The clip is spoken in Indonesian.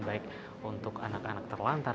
baik untuk anak anak terlantar